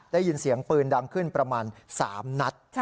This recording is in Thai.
ได้ยินเสียงปืนดังขึ้นประมาณ๓นัด